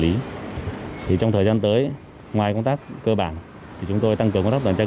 và xử lý thì trong thời gian tới ngoài công tác cơ bản thì chúng tôi tăng cường các đoàn trai